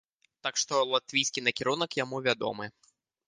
Так што латвійскі накірунак яму вядомы.